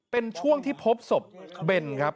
เป็นช่วงที่พบศพเบนครับ